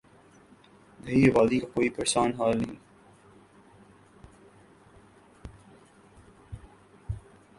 دیہی آبادی کا کوئی پرسان حال نہیں۔